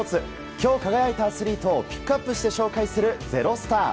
今日輝いたアスリートをピックアップしてご紹介する「＃ｚｅｒｏｓｔａｒ」。